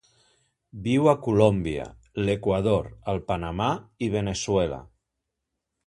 Viu a Colòmbia, l'Equador, el Panamà i Veneçuela.